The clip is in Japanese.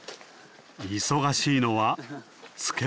忙しいのは漬物作り。